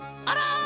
あら！